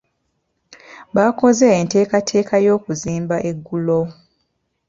Baakoze enteekateeka y'okuzimba eggulo.